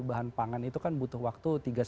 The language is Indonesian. bahan pangan itu kan butuh waktu